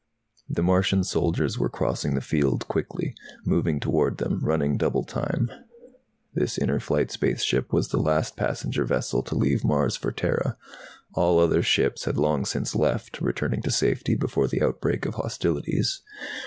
The Martian soldiers were crossing the field quickly, moving toward them, running double time. This Inner Flight spaceship was the last passenger vessel to leave Mars for Terra. All other ships had long since left, returning to safety before the outbreak of hostilities.